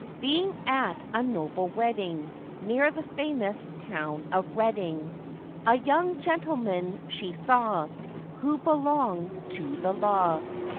Being at a noble wedding, Near the famous town of Redding, A young gentleman she saw, Who belongèd to the law.